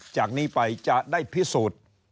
จากนี้ไปจะได้พิสูจน์